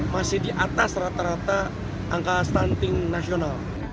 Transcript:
masih di atas rata rata angka stunting nasional